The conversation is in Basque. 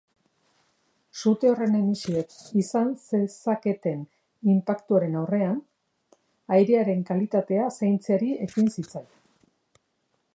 Sute horren emisioek izan zezaketen inpaktuaren aurrean, airearen kalitatea zaintzeari ekin zitzaion.